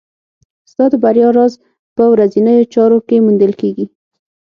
ستا د بریا راز په ورځنیو چارو کې موندل کېږي.